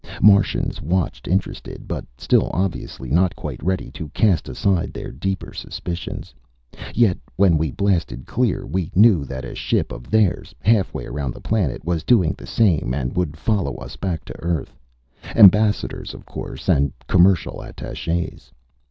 Martians watched, interested, but still obviously not quite ready to cast aside their deeper suspicions. Yet, when we blasted clear, we knew that a ship of theirs, halfway around the planet, was doing the same and would follow us back to Earth. Ambassadors, of course, and commercial attachés.